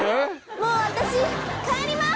もう私帰ります！